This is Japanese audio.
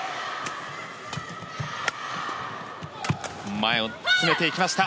前を詰めていきました。